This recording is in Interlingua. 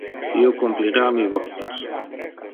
Io complira mi votos.